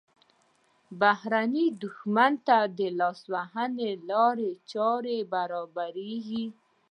بهرني دښمن ته د لاسوهنې لارې چارې برابریږي.